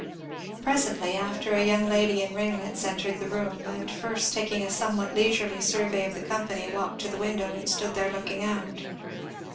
Presently after a young lady in ringlets entered the room, and first taking a somewhat leisurely survey of the company, walked to the window and stood there looking out.